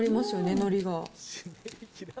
のりが。